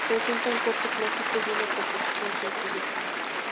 Presenta un corte clásico y una composición sencilla.